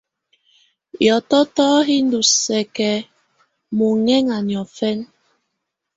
Hiɔtɔtɔ hi ndù sǝkǝ muŋɛŋa niɔ̀fɛna.